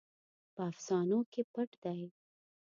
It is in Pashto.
په افسانو کې پټ دی.